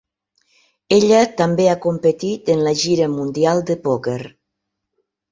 Ella també ha competit en la Gira mundial de pòquer.